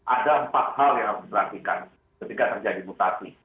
ada empat hal yang harus diperhatikan ketika terjadi mutasi